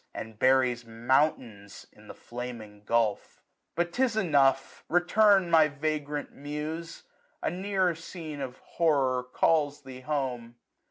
And buries mountains in the flaming gulph. 1 100 But 'tis enough ; return, my vagrant Muse: A nearer scene of horror calls thee home.